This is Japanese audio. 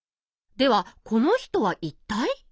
ではこの人は一体？